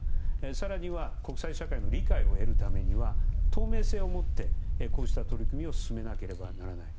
更には、国際社会の理解を得るためには透明性を持ってこうした取り組みを進めなければならない。